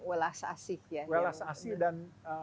beras asih beras asih dan